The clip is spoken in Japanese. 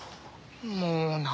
もう何？